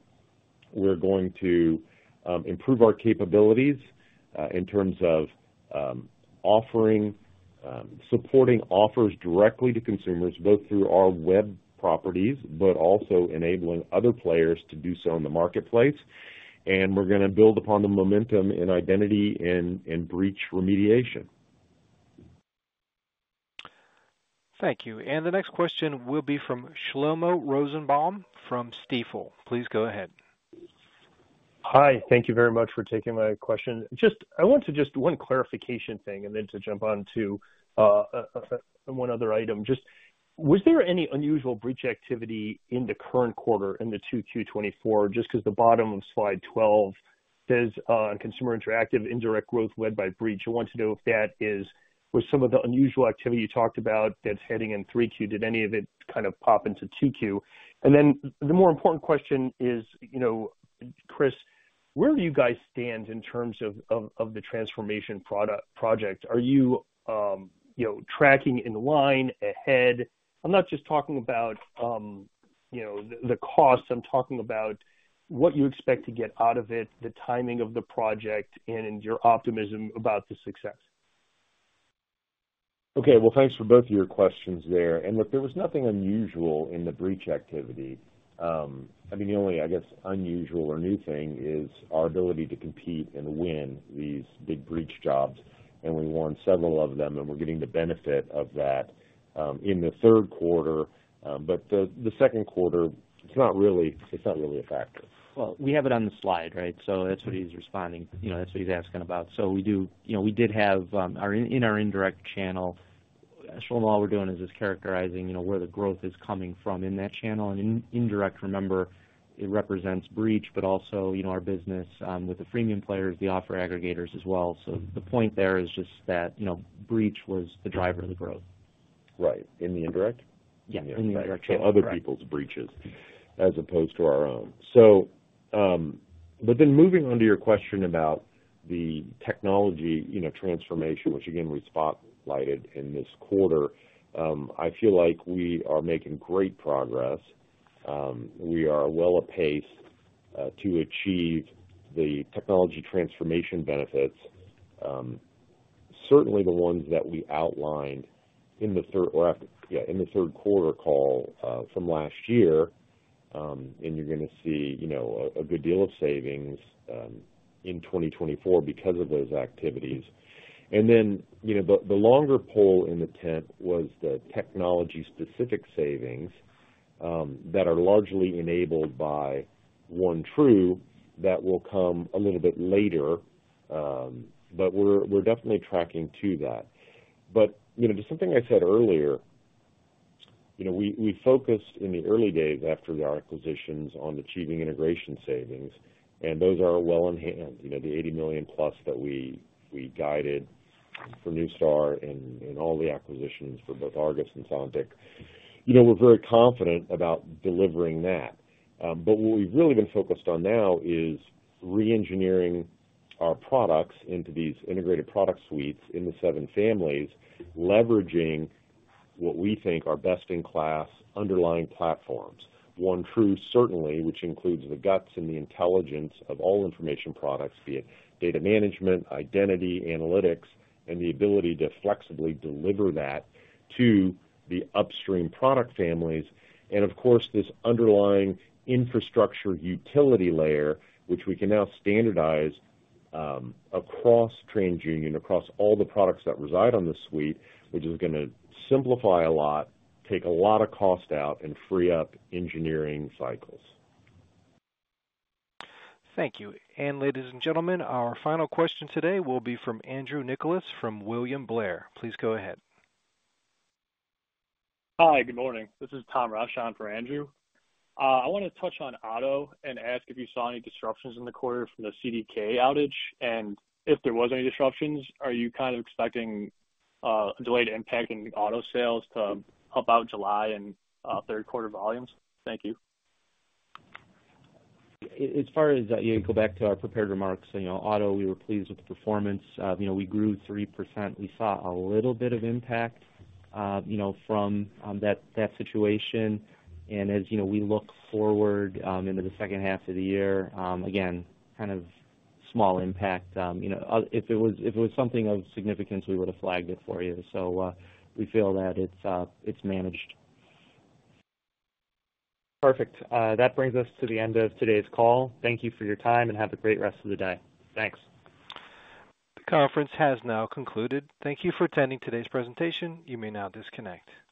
We're going to improve our capabilities in terms of offering, supporting offers directly to consumers, both through our web properties, but also enabling other players to do so in the marketplace. We're going to build upon the momentum in identity and breach remediation. Thank you. The next question will be from Shlomo Rosenbaum from Stifel. Please go ahead. Hi, thank you very much for taking my question. I want to just one clarification thing, and then to jump on to one other item. Just was there any unusual breach activity in the current quarter in the 2Q 2024? Just because the bottom of slide 12 says on Consumer Interactive indirect growth led by breach. I want to know if that is with some of the unusual activity you talked about that's heading in 3Q, did any of it kind of pop into 2Q? And then the more important question is, Chris, where do you guys stand in terms of the transformation project? Are you tracking in line, ahead? I'm not just talking about the cost. I'm talking about what you expect to get out of it, the timing of the project, and your optimism about the success. Okay, well, thanks for both of your questions there. And look, there was nothing unusual in the breach activity. I mean, the only, I guess, unusual or new thing is our ability to compete and win these big breach jobs. And we won several of them, and we're getting the benefit of that in the third quarter. But the second quarter, it's not really a factor. Well, we have it on the slide, right? So that's what he's responding. That's what he's asking about. So we did have in our Indirect Channel, Shlomo. All we're doing is just characterizing where the growth is coming from in that channel. And indirect, remember, it represents breach, but also our business with the freemium players, the offer aggregators as well. So the point there is just that breach was the driver of the growth. Right. In the Indirect? Yeah, in the Indirect Channel. To other people's breaches as opposed to our own. But then moving on to your question about the technology transformation, which again, we spotlighted in this quarter, I feel like we are making great progress. We are well apace to achieve the technology transformation benefits, certainly the ones that we outlined in the third quarter call from last year. And you're going to see a good deal of savings in 2024 because of those activities. And then the longer pole in the tent was the technology-specific savings that are largely enabled by OneTru that will come a little bit later. But we're definitely tracking to that. But to something I said earlier, we focused in the early days after the acquisitions on achieving integration savings. And those are well in hand, the $80 million+ that we guided for Neustar and all the acquisitions for both Argus and Sontiq. We're very confident about delivering that. But what we've really been focused on now is re-engineering our products into these integrated product suites in the seven families, leveraging what we think are best-in-class underlying platforms. OneTru, certainly, which includes the guts and the intelligence of all information products, be it data management, identity, analytics, and the ability to flexibly deliver that to the upstream product families. And of course, this underlying infrastructure utility layer, which we can now standardize across TransUnion, across all the products that reside on the suite, which is going to simplify a lot, take a lot of cost out, and free up engineering cycles. Thank you. And ladies and gentlemen, our final question today will be from Andrew Nicholas from William Blair. Please go ahead. Hi, good morning. This is Tom Rochon for Andrew. I want to touch on auto and ask if you saw any disruptions in the quarter from the CDK outage. And if there was any disruptions, are you kind of expecting a delayed impact in auto sales to help out July and third quarter volumes? Thank you. As far as you go back to our prepared remarks, auto, we were pleased with the performance. We grew 3%. We saw a little bit of impact from that situation. As we look forward into the second half of the year, again, kind of small impact. If it was something of significance, we would have flagged it for you. So we feel that it's managed. Perfect. That brings us to the end of today's call. Thank you for your time and have a great rest of the day. Thanks. The conference has now concluded. Thank you for attending today's presentation. You may now disconnect.